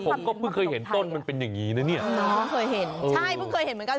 ผมก็เพิ่งเคยเห็นต้นมันเป็นอย่างงี้นะเนี่ยน้องเคยเห็นใช่เพิ่งเคยเห็นเหมือนกัน